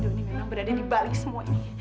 ini memang berada di balik semua ini